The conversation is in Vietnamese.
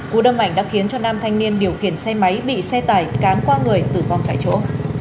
cụ đâm ảnh đã khiến cho nam thanh niên điều khiển xe máy bị xe tải cám qua người tử vong tại chỗ